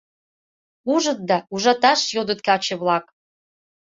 Ужыт да, ужаташ йодыт каче-влак.